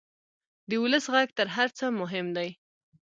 د ولس غږ تر هر څه مهم دی.